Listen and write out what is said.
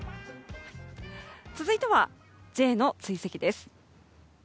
続いてはＪの追跡です。